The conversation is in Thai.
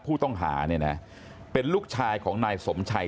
ผู้ต้องหาเนี่ยนะเป็นลูกชายของนายสมชัย